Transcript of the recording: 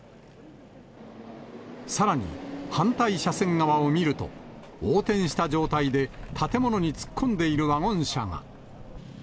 さらに、反対車線側を見ると、横転した状態で建物に突っ込んでいるワゴン車が。